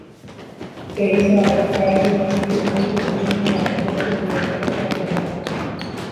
Péicha okáijepi py'ỹipy'ỹi ha ojoapykuéri tesapeha.